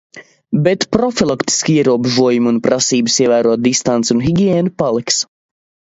Bet profilaktiski ierobežojumi un prasības ievērot distanci un higiēnu paliks.